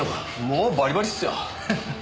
もうバリバリですよ！